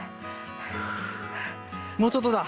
ふうもうちょっとだ。